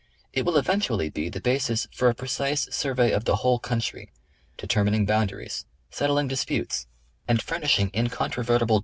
It will eventually be the basis for a precise survey of the whole country, determining boundai'ies, settling disputes, and furnishing incontrovertible 70 National Geographic Magazine.